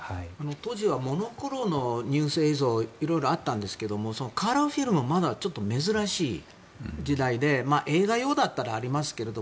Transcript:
当時はモノクロのニュース映像はいろいろあったんですがカラーフィルムはまだ珍しい時代で映画用だったらありますけど